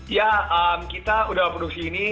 ya kita udah produksi ini